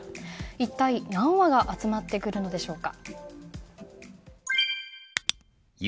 一体、何羽が集まってくるのでしょうか。